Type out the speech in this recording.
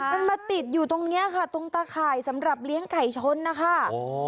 มันมาติดอยู่ตรงเนี้ยค่ะตรงตาข่ายสำหรับเลี้ยงไก่ชนนะคะโอ้